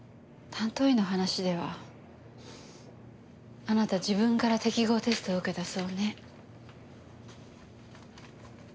担当医の話ではあなた自分から適合テストを受けたそうね。